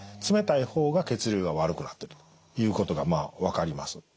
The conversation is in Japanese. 冷たい方が血流が悪くなってるということが分かります。